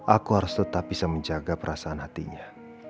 aku harus tetap bisa menjaga perasaan hatinya